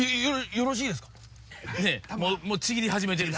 よろしいですか？